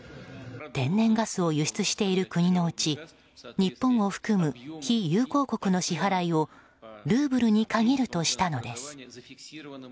天然ガスを輸出している国のうち日本を含む非友好国の支払いをルーブルに限るとしたのです。